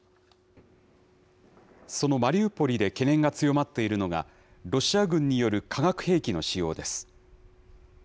そのマリウポリで懸念が強まっているのが、ロシア軍による化学兵器の使用です。